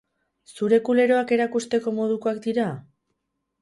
Zure kuleroak erakusteko modukoak dira?